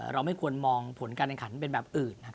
เราไม่ควรมองผลการแข่งขันเป็นแบบอื่น